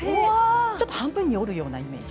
ちょっと半分に折るようなイメージ。